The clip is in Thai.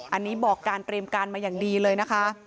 อันนี้บอกการเตรียมการมาอย่างดีเลยนะคะ